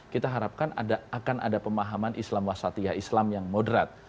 kita harapkan akan ada pemahaman islam wasatiyah islam yang moderat